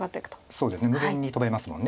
そうですね無限にトベますもんね